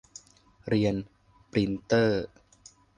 เรียน ปรินท์เตอร์